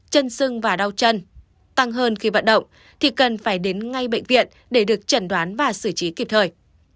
chân sưng và đau chân tăng hơn khi vận động thì cần phải đến ngay bệnh viện để được chẩn đoán và xử trí kịp thời